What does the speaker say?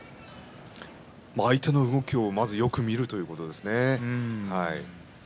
相手の動きをまずよく見るということですね。